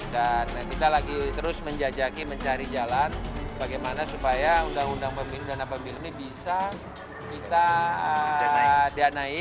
dan kita lagi terus menjajaki mencari jalan bagaimana supaya undang undang pemilu dana pemilu ini bisa kita dianai